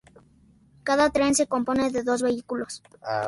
Cada tren se compone de dos vehículos.